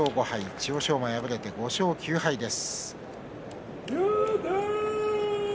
千代翔馬、敗れて５勝９敗です。